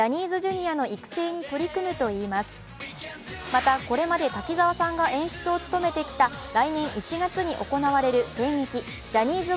またこれまで滝沢さんが演出を務めてきた来年１月に行われる帝劇